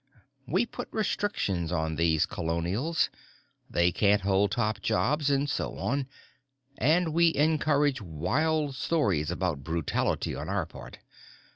We put restrictions on these colonials; they can't hold top jobs, and so on. And we encourage wild stories about brutality on our part.